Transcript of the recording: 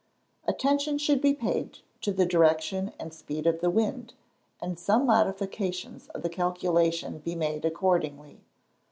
Attention should be paid to the direction and speed of the wind, and some modifications of the calculation be made accordingly.